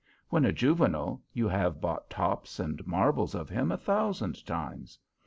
When a juvenile, you have bought tops and marbles of him a thousand times.